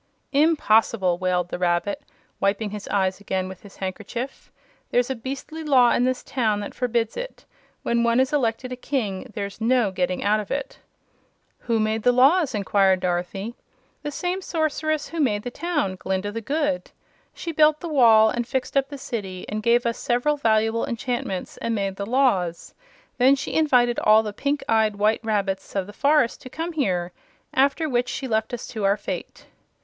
"Impossible!" wailed the Rabbit, wiping his eyes again with his handkerchief. "There's a beastly law in this town that forbids it. When one is elected a King, there's no getting out of it." "Who made the laws?" inquired Dorothy. "The same Sorceress who made the town Glinda the Good. She built the wall, and fixed up the City, and gave us several valuable enchantments, and made the laws. Then she invited all the pink eyed white rabbits of the forest to come here, after which she left us to our fate."